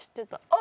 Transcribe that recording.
あ。